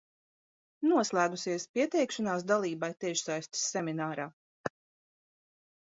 Noslēgusies pieteikšanās dalībai tiešsaistes seminārā.